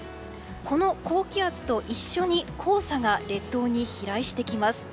この高気圧と一緒に黄砂が列島に飛来してきます。